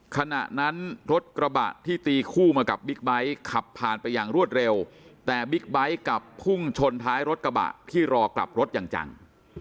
ขณะนั้นรถกระบะที่ตีคู่มากับบิ๊กไบท์ขับผ่านไปอย่างรวดเร็วแต่บิ๊กไบท์กลับพุ่งชนท้ายรถกระบะที่รอกลับรถอย่างจัง